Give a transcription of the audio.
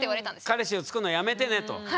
彼氏をつくるのやめてねと。